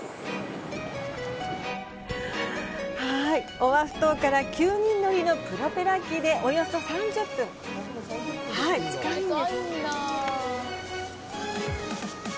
オアフ島から９人乗りのプロペラ機でおよそ３０分、近いんです。